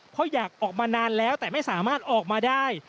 เพราะอยากออกมานานแล้วแต่ไม่สามารถออกมาได้